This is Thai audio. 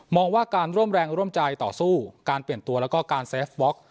ว่าการร่วมแรงร่วมใจต่อสู้การเปลี่ยนตัวแล้วก็การเซฟบล็อก